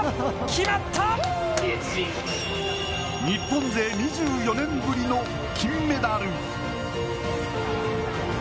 日本勢２４年ぶりの金メダル。